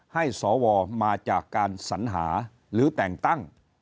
ให้สวมาจากการสัญหาหรือแต่งตั้ง